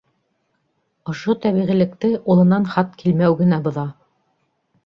Ошо тәбиғилекте улынан хат килмәү генә боҙа.